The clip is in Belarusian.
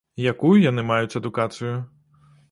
Якую яны маюць адукацыю?